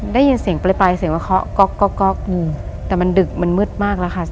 ได้ยินเสียงปลายเสียงว่าเคาะก๊อกแต่มันดึกมันมืดมากแล้วค่ะ